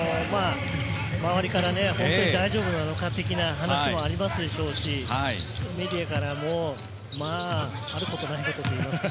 周りから大丈夫なのか的な話もありますでしょうし、メディアからもあることないことというか。